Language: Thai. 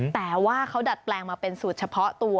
แต่ว่าเขาดัดแปลงมาเป็นสูตรเฉพาะตัว